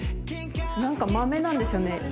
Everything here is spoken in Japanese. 何かマメなんですよね